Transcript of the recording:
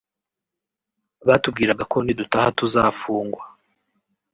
batubwiraga ko nidutaha tuzafungwa